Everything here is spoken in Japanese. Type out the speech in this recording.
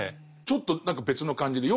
ちょっと何か別の感じで。